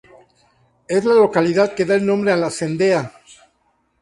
Es la localidad que da el nombre a la cendea.